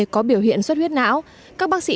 có biểu hiện suất huyết não các bác sĩ